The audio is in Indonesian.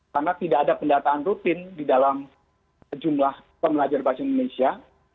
karena tidak ada pendataan rutin di dalam jumlah pembelajar bahasa indonesia